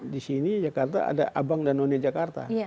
di sini jakarta ada abang danone jakarta